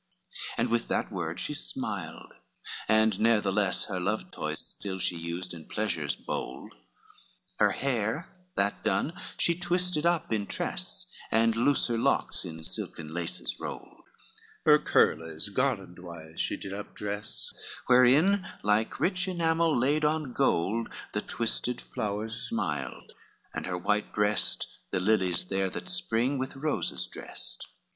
XXIII And with that word she smiled, and ne'ertheless Her love toys still she used, and pleasures bold! Her hair, that done, she twisted up in tress, And looser locks in silken laces rolled, Her curles garlandwise she did up dress, Wherein, like rich enamel laid on gold, The twisted flowers smiled, and her white breast The lilies there that spring with roses dressed.